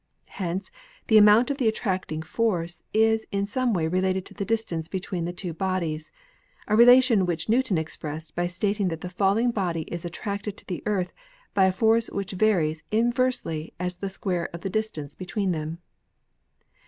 Hence the amount of the attracting force is in some way related to the distance between the two bodies, a relation which Newton expressed by stating that the falling body is attracted to the Earth by a force which varies in versely as the square of the distance between them.